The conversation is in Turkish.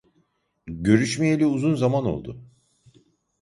Görüşmeyeli uzun zaman oldu.